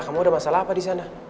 kamu ada masalah apa disana